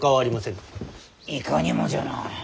いかにもじゃな。